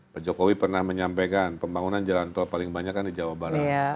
pak jokowi pernah menyampaikan pembangunan jalan tol paling banyak kan di jawa barat